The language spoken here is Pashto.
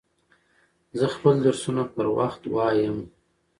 زه خپل درسونه پر وخت وایم.